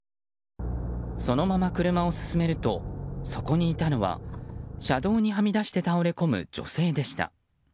そのまま車を進めるとそこにいたのは車道にはみ出して倒れ込む女性でした。